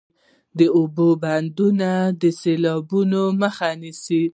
د اوبو بندونه د سیلابونو مخه نیسي